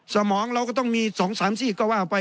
สมองเราก็ต้องมี๒๓ซีกก็ว่าไป